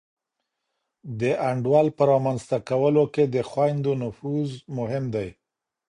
د انډول په رامنځته کولو کي د خویندو نفوذ مهم دی.